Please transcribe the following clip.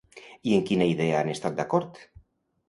I en quina idea han estat d'acord?